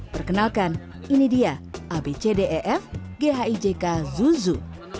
perkenalkan ini dia abcdef ghijk zuzu